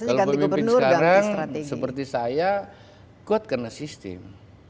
kalau pemimpin sekarang seperti saya kuat karena sistem